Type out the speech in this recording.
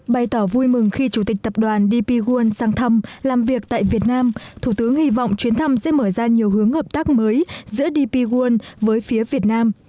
bày tỏ vui mừng khi chủ tịch tập đoàn dp won sang thăm làm việc tại việt nam thủ tướng hy vọng chuyến thăm sẽ mở ra nhiều hướng hợp tác mới giữa dp won với phía việt nam